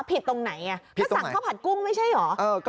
ผิดตรงไหนอ่ะก็สั่งข้าวผัดกุ้งไม่ใช่หรอ